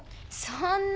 そんな。